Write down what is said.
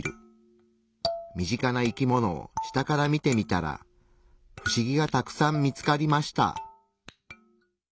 身近な生き物を下から見てみたらフシギがたくさん見つかりました。